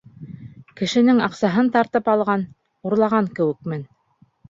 Кешенең аҡсаһын тартып алған, урлаған кеүекмен...